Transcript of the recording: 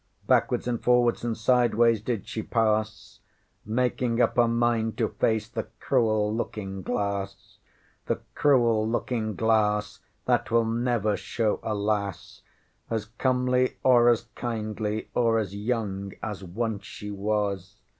Backwards and forwards and sideways did she pass, Making up her mind to face the cruel looking glass. The cruel looking glass that will never show a lass As comely or as kindly or as young as once she was!